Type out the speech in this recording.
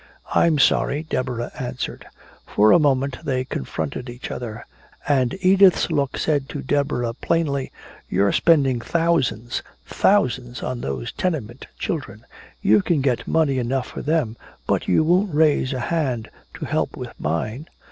"I'm sorry," Deborah answered. For a moment they confronted each other. And Edith's look said to Deborah plainly, "You're spending thousands, thousands, on those tenement children! You can get money enough for them, but you won't raise a hand to help with mine!"